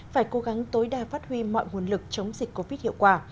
phải cố gắng tối đa phát huy mọi nguồn lực chống dịch covid hiệu quả